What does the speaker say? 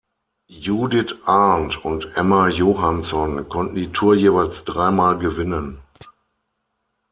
Judith Arndt und Emma Johansson konnten die Tour jeweils dreimal gewinnen.